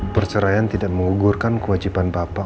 perceraian tidak mengugurkan kewajiban bapak